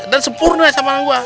dan sempurna sama orang gua